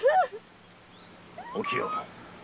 お清。